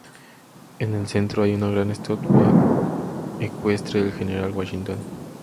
En el centro hay una gran estatua ecuestre del general Washington.